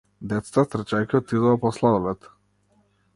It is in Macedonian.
Децата трчајќи отидоа по сладолед.